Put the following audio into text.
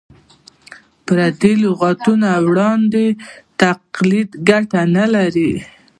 د پردیو لغتونو ړوند تقلید ګټه نه لري.